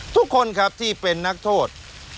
ทุกคนครับที่เป็นนักโทษ